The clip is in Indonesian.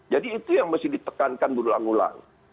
jadi itu yang mesti ditekankan ulang ulang